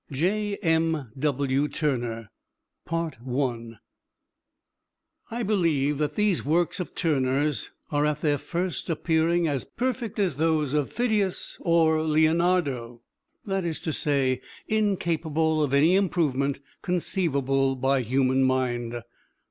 J.M.W. TURNER I believe that these works of Turner's are at their first appearing as perfect as those of Phidias or Leonardo, that is to say, incapable of any improvement conceivable by human mind.